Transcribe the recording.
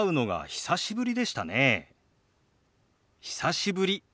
久しぶり。